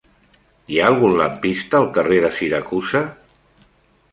Hi ha algun lampista al carrer de Siracusa?